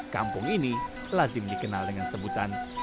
kampung ini lazim dikenal dengan sebutan